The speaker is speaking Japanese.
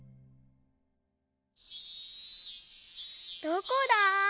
どこだ？